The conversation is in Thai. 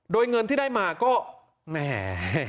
โดยเงินที่ได้มาก็แหม